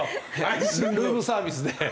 ルームサービスで。